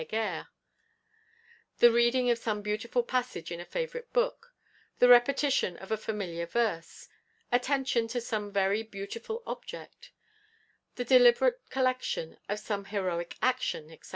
Heger: the reading of some beautiful passage in a favourite book; the repetition of a familiar verse: attention to some very beautiful object: the deliberate recollection of some heroic action, _etc.